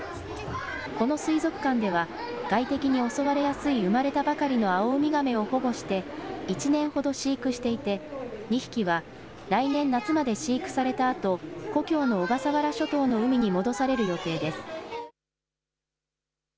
この水族館では、外敵に襲われやすい生まれたばかりのアオウミガメを保護して１年ほど飼育していて、２匹は来年夏まで飼育されたあと、故郷の小笠原諸島の海に戻される予定です。